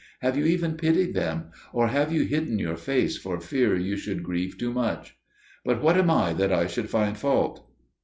Have you even pitied them? Or have you hidden your face for fear you should grieve too much? But what am I that I should find fault?"